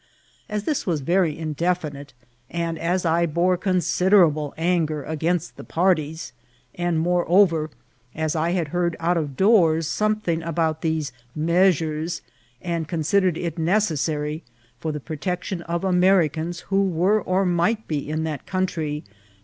As this was very indefinite, and as I bore considerable anger against the parties, and, moreover, as I heard out of doors something about these meas ures," and considered it necessary, for the protection of Americans who were or might be in that country.